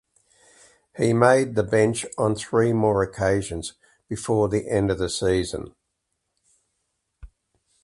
He made the bench on three more occasions before the end of the season.